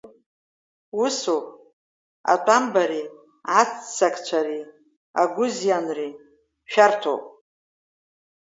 Усоуп, атәамбареи, аццакцәареи, агәызианреи шәарҭоуп.